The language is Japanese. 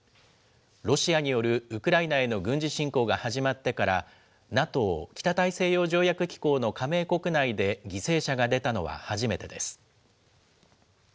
ロシアによるウクライナへの軍事侵攻が始まってから、ＮＡＴＯ・北大西洋条約機構の加盟国内で犠牲者が出たのは初めてです。